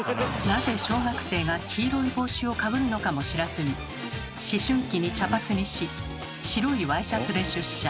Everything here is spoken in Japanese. なぜ小学生が黄色い帽子をかぶるのかも知らずに思春期に茶髪にし白いワイシャツで出社。